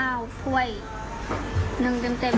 แล้วก็มะเขาแล้วก็ที่เราผัดเราก็ใส่เครื่องเต็มที่ค่ะ